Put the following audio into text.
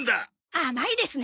甘いですね。